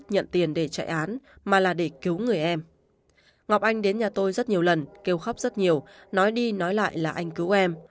ngọc anh đến nhà tôi rất nhiều lần kêu khóc rất nhiều nói đi nói lại là anh cứu em